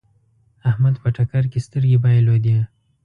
احمد په ټکر کې سترګې بايلودې.